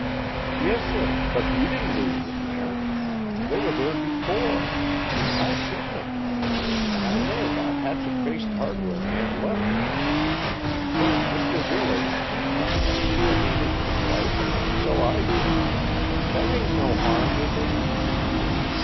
"Yessir, but he didn't leave them there. They were there before. I seen 'em, and I knew that hatchet faced hardware man left 'em; then Mr. Willard, he come, but he didn't swipe 'em, so I did. That ain't no harm, is it?"